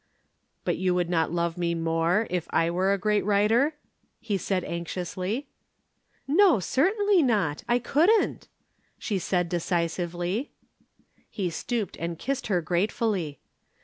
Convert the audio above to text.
"But you would not love me more, if I were a great writer?" he said anxiously. "No, certainly not. I couldn't," she said decisively. He stooped and kissed her gratefully.